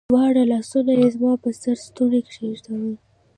دواړه لاسونه يې زما پر ستوني کښېښوول.